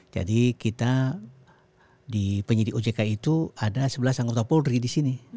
jadi kita di penyedik ojk itu ada sebelas anggota polri disini